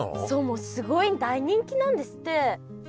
もうすごい大人気なんですって。